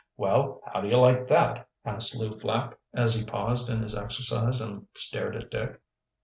"Well, how do you like that?" asked Lew Flapp, as he paused in his exercise and stared at Dick.